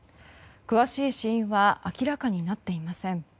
詳しい死因は明らかになっていません。